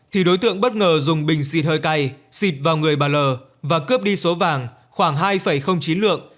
thì đối tượng bất ngờ dùng bình xịt hơi cay xịt vào người bà l và cướp đi số vàng khoảng hai chín lượng